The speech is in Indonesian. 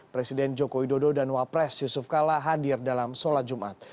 presiden joko widodo dan wapres yusuf kala hadir dalam sholat jumat